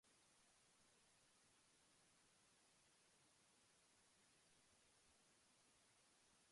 This demonstrates a level of intimacy and openness between the two individuals.